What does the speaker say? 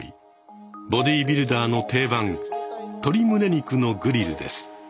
ボディビルダーの定番「鶏胸肉のグリル」です。